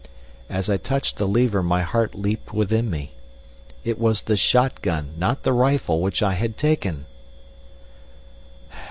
As I touched the lever my heart leaped within me. It was the shot gun, not the rifle, which I had taken!